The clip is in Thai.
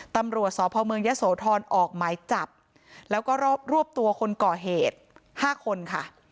ตำรวจสพเมืองยะโสธรออกหมายจับแล้วก็รวบตัวคนก่อเหตุ๕คนค่ะ